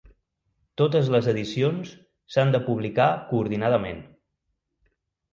Totes les edicions s'han de publicar coordinadament.